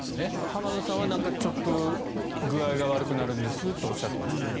浜田さんはちょっと具合が悪くなるんですとおっしゃってましたね。